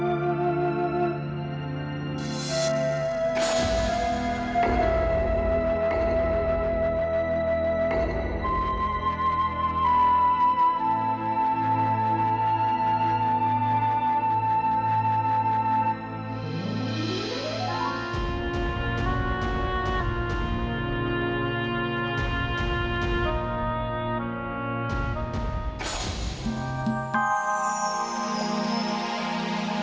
aku mencintai matahan